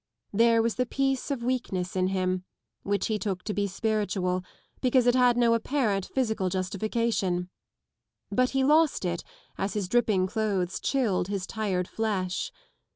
There was the peace of weakness in him, which he took to be spiritual, because it had no apparent physical justification : but he lost it as his dripping clothes chilled his tired flesh.